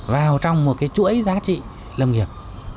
vào trong một chuỗi giá trị lâm nghiệp